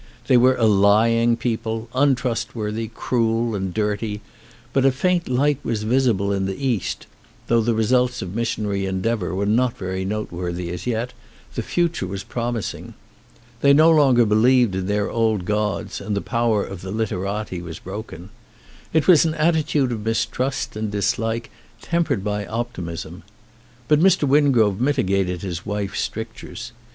They were a lying people, untrustworthy, cruel, and dirty, but a faint light was visible in the East; though the results of missionary endeavour were not very noteworthy as yet, the future was prom ising. They no longer believed in their old gods and the power of the literati was broken. It is an attitude of mistrust and dislike tempered by optimism. But Mr. Wingrove mitigated his wife's strictures.